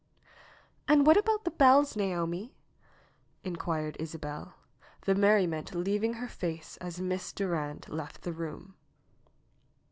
^'And what about the bells, Naomi ?" inquired Isabel, the merriment leaving her face as Miss Durand left the room.